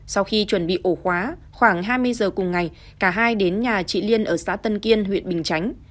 sau khi chuẩn bị ổ khóa khoảng hai mươi giờ cùng ngày cả hai đến nhà chị liên ở xã tân kiên huyện bình chánh